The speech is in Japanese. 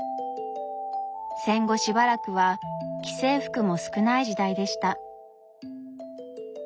戦後しばらくは既製服も少ない時代でした。